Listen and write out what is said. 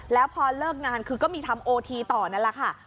แล้วพอเลิกงานคือก็มีทำโอทีต่อนั่นแหละค่ะ